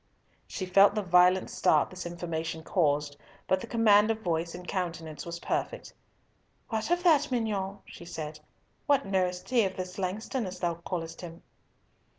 She felt the violent start this information caused, but the command of voice and countenance was perfect. "What of that, mignonne?" she said. "What knoweth he of this Langston, as thou callest him?"